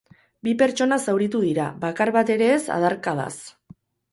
Bi pertsona zauritu dira, bakar bat ere ez adarkadaz.